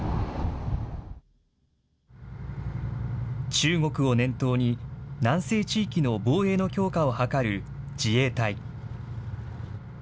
中国を念頭に、南西地域の防衛の強化を図る自衛隊。